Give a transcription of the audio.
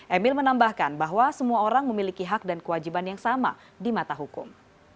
emil menambahkan bahwa semua orang memiliki hak dan kewajiban yang sama di mata hukum